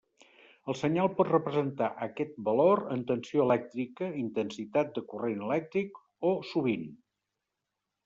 El senyal pot representar aquest valor en tensió elèctrica, intensitat de corrent elèctric o sovint.